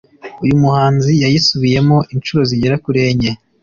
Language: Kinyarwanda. uyu muhanzi yayisubiyemo inshuro zigera kuri enye